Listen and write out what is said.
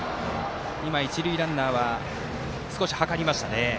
一塁ランナーは少し図りましたね。